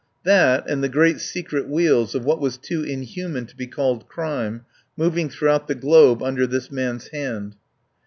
That, and the great secret wheels of what was too inhuman to be called crime moving throughout the globe under this man's hand.